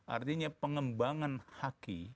artinya pengembangan haki